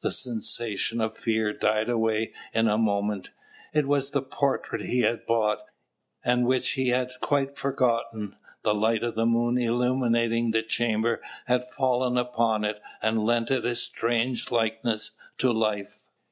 The sensation of fear died away in a moment; it was the portrait he had bought, and which he had quite forgotten. The light of the moon illuminating the chamber had fallen upon it, and lent it a strange likeness to life.